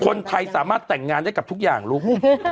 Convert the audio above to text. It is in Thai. คนไทยสามารถแต่งงานได้กับทุกอย่างลูก